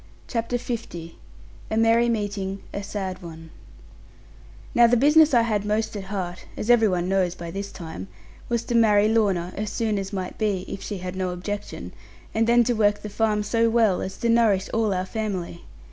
CHAPTER L A MERRY MEETING A SAD ONE Now the business I had most at heart (as every one knows by this time) was to marry Lorna as soon as might be, if she had no objection, and then to work the farm so well, as to nourish all our family.